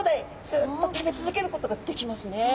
ずっと食べ続けることができますね。